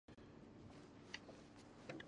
د سمنګان په ایبک کې څه شی شته؟